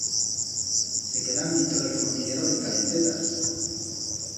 Se quedan dintro d'el forniguero ben calentetas.